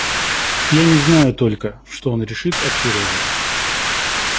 Я не знаю только, что он решит об Сереже.